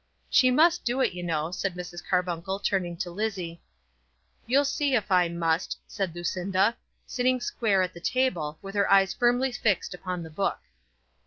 "She must do it, you know," said Mrs. Carbuncle, turning to Lizzie. "You'll see if I must," said Lucinda, sitting square at the table, with her eyes firmly fixed upon the book.